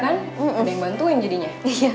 ada yang bantuin jadinya